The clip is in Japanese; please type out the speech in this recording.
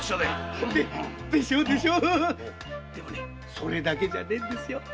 それだけじゃねえんですよ。